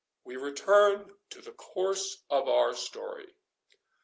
—We return to the course of our story.